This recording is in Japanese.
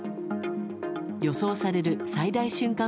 予想される最大瞬間